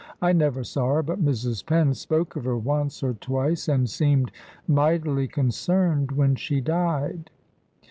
I never saw her, but Mrs. Penn spoke of her once or twice, and seemed mightily concerned when she died."